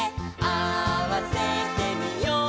「合わせてみよう」